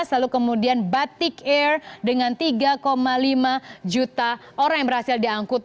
lalu kemudian batik air dengan tiga lima juta orang yang berhasil diangkut